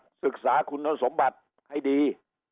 ศึกษาคุณสมบัติให้ดี